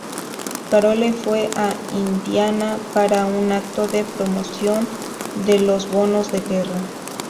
Carole fue a Indiana para un acto de promoción de los bonos de guerra.